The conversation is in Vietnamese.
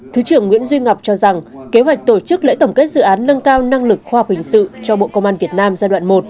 thứ trưởng nguyễn duy ngọc cho rằng kế hoạch tổ chức lễ tổng kết dự án nâng cao năng lực khoa học hình sự cho bộ công an việt nam giai đoạn một